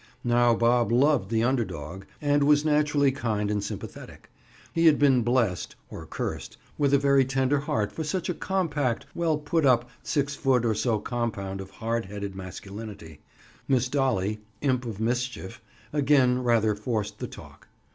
Now Bob loved the "under dog" and was naturally kind and sympathetic. He had been blessed—or cursed—with a very tender heart for such a compact, well put up, six foot or so compound of hard headed masculinity. Miss Dolly—imp of mischief—again rather forced the talk.